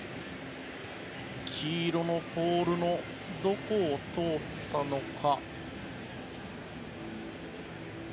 黄色のポールのどこを通ったのか。